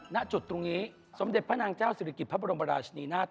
ณจุดตรงนี้สมเด็จพระนางเจ้าศิริกิจพระบรมราชนีนาฏ